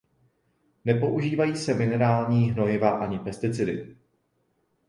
Nepoužívají se minerální hnojiva ani pesticidy.